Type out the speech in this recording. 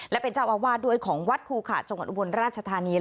และเป็นเจ้าอาวาสด้วยของวัดครูขาจังหวัดอุบลราชธานี